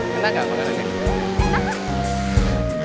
kena gak makanannya